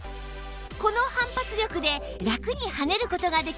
この反発力でラクに跳ねる事ができるんです